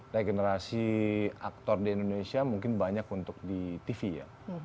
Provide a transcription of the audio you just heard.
regenerasi aktor di indonesia mungkin banyak untuk di tv ya